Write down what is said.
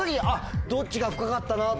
どっちが深かったかなとか。